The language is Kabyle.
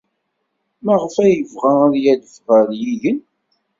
Maɣef ay yebɣa ad yadef ɣer yigen?